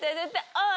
おい！